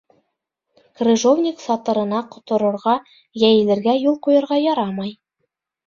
Крыжовник сатырына ҡоторорға, йәйелергә юл ҡуйырға ярамай.